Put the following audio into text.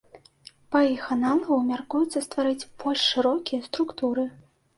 Па іх аналагу мяркуецца стварыць больш шырокія структуры.